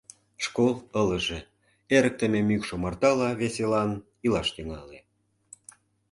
Школ ылыже, эрыктыме мӱкш омартала веселан илаш тӱҥале.